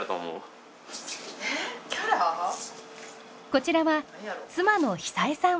こちらは妻の久枝さん。